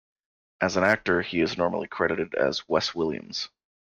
As an actor, he is normally credited as Wes Williams.